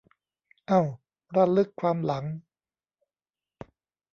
เอ้า ระลึกความหลัง